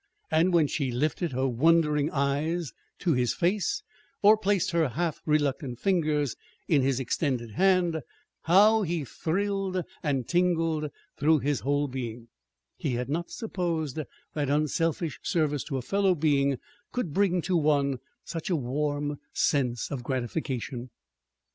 And when she lifted her wondering eyes to his face, or placed her half reluctant fingers in his extended hand, how he thrilled and tingled through his whole being he had not supposed that unselfish service to a fellow being could bring to one such a warm sense of gratification.